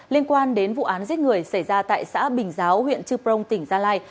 liên quan đến vụ án giết người xảy ra tại xã bình giáo huyện chư prong tỉnh gia lai